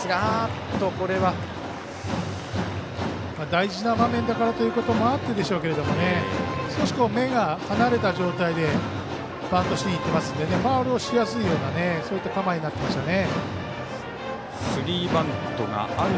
大事な場面だからということもあってでしょうけど少し目が離れた状態でバントしにいっていますのでファウルしやすいような構えになっていますね。